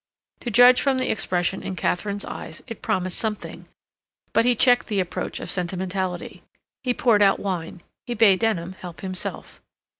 To judge from the expression in Katharine's eyes it promised something—but he checked the approach sentimentality. He poured out wine; he bade Denham help himself.